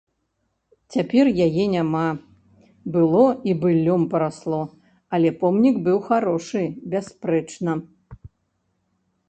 Цяпер яе няма, было і быллём парасло, але помнік быў харошы, бясспрэчна.